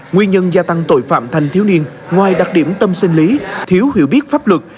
nguyên nhân gia tăng tội phạm thành thiếu niên ngoài đặc điểm tâm sinh lý thiếu hiểu biết pháp luật